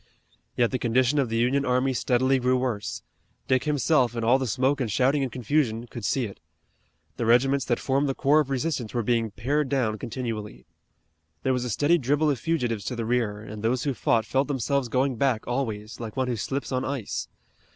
Yet the condition of the Union army steadily grew worse. Dick himself, in all the smoke and shouting and confusion, could see it. The regiments that formed the core of resistance were being pared down continually. There was a steady dribble of fugitives to the rear, and those who fought felt themselves going back always, like one who slips on ice.